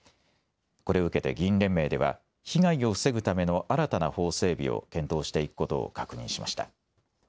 これを受けて議員連盟では被害を防ぐための新たな法整備を検討していくことを確認しました。